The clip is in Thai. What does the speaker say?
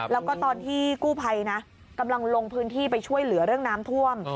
แล้วก็ตอนที่กู้ภัยนะกำลังลงพื้นที่ไปช่วยเหลือเรื่องน้ำท่วม